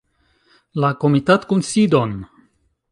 La komitatkunsidon!